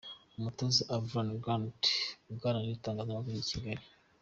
Umutoza Avram Grant aganira n'itangazamakuru ry'i Kigali.